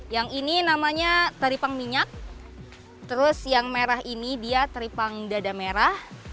yang ini namanya teripang minyak terus yang merah ini dia teripang dada merah